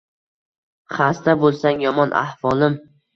Xasta bulsang yomon ahvolim